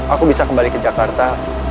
aku bisa kembali ke jakarta